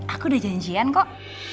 aku udah janjian kok